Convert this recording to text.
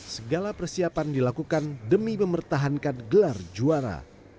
segala persiapan dilakukan demi mempertahankan gelar juara